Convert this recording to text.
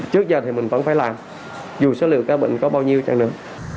trước giờ thì mình vẫn phải làm dù số liệu các bệnh có bao nhiêu chẳng nữa